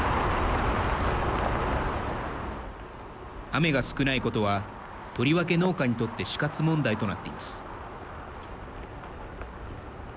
雨が少ないことはとりわけ農家にとって死活問題となっています。